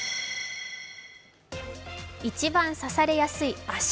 一番刺されやすい足。